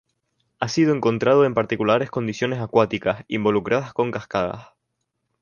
Ha sido encontrado en particulares condiciones acuáticas, involucradas con cascadas.